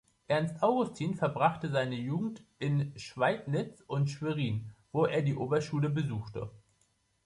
Ernst Augustin verbrachte seine Jugend in Schweidnitz und Schwerin, wo er die Oberschule besuchte.